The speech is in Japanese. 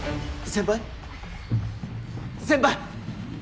先輩。